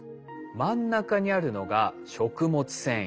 真ん中にあるのが食物繊維。